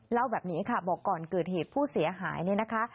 เล่าแบบนี้ค่ะบอกก่อนเกิดเหตุผู้เสียหายเนี่ยนะคะ